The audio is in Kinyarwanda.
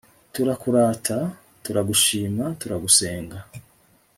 turakurata, turagushima, turagusenga